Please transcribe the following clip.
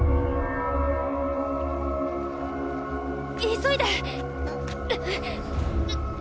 急いで！っ！